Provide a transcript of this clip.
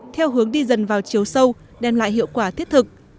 theo hướng đi dần vào chiều sâu đem lại hiệu quả thiết thực